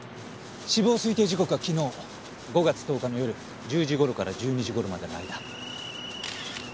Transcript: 死亡推定時刻は昨日５月１０日の夜１０時頃から１２時頃までの間。